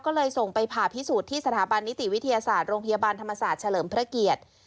ก็เลยส่งไปผ่าพิสูจน์ที่สถาบันนิติวิทยาศาสตร์โรงพยาบาลธรรมศาสตร์เฉลิมพระเกียรติ